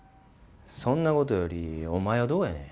そんなことよりお前はどうやねん。